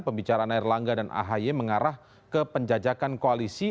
pembicaraan air langga dan ahy mengarah ke penjajakan koalisi